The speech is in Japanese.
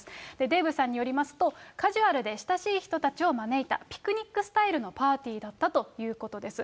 デーブさんによりますと、カジュアルで親しい人たちを招いたピクニックスタイルのパーティーだったということです。